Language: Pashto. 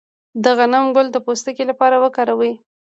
د غنم ګل د پوستکي لپاره وکاروئ